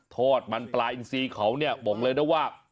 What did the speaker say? ทอดมันปลาอินซีเขาเนี่ยบอกเลยนะว่า